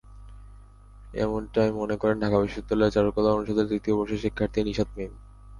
এমনটাই মনে করেন ঢাকা বিশ্ববিদ্যালয়ের চারুকলা অনুষদের তৃতীয় বর্ষের শিক্ষার্থী নিশাত মিম।